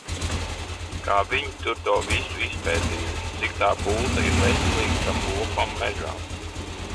Kā viņi tur to visu izpētījuši, cik tā bulta ir veselīga tam lopam mežā.